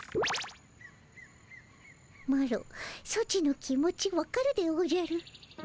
マロソチの気持ちわかるでおじゃる。